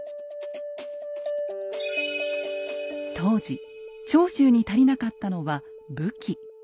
当時長州に足りなかったのは武器。